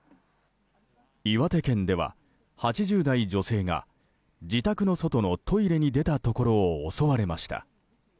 岩手県では８０代女性が自宅の外のトイレに出たところを襲われました。